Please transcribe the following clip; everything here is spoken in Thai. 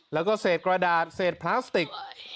แล้วก็เศษกระดาษเศษพลาสติก